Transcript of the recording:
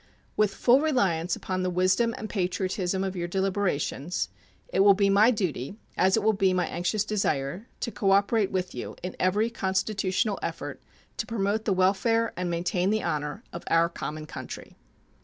With full reliance upon the wisdom and patriotism of your deliberations, it will be my duty, as it will be my anxious desire, to cooperate with you in every constitutional effort to promote the welfare and maintain the honor of our common country.